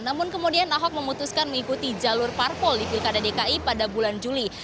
namun kemudian ahok memutuskan mengikuti jalur parpol di pilkada dki pada bulan juli